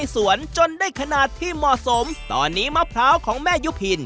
ส่วนจนได้ขนาดที่ตอนนี้มะเพราของแม่ยุพิน